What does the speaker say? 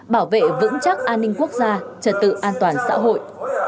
bảo vệ vững chắc an ninh quốc gia trật tự an toàn xã hội